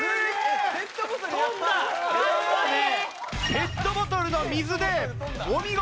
ペットボトルの水でお見事！